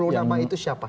sepuluh nama itu siapa